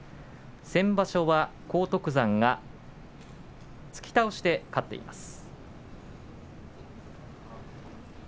先場所は荒篤山が突き倒しで勝っています。